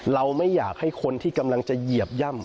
เราไม่อยากให้คนที่กำลังจะเหยียบย่ำ